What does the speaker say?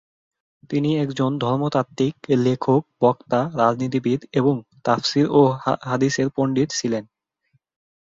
তিনি একজন ধর্মতাত্ত্বিক, লেখক, বক্তা, রাজনীতিবিদ এবং তাফসির ও হাদিসের পণ্ডিত ছিলেন।